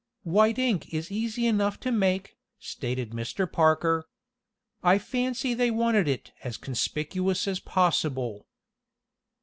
"White ink is easy enough to make," stated Mr. Parker. "I fancy they wanted it as conspicuous as possible."